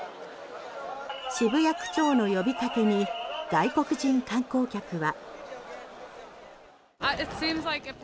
渋谷区長の呼びかけに外国人観光客は。